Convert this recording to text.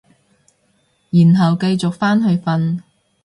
然後繼續返去瞓